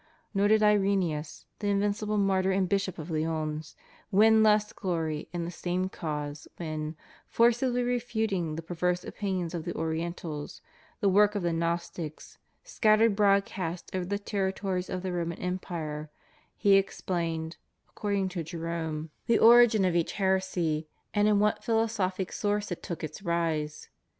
Nor did Irenseus, the invincible martyr and bishop of Lyons, win less glory in the same cause when, forcibly refuting the perverse opinions of the Orientals, the work of the Gnostics, scat tered broadcast over the territories of the Roman Empire, he explained (according to Jerome) the origin of each THE STUDY OF SCHOLASTIC PHILOSOPHY. 45 heresy and in what philosophic source it took its rise.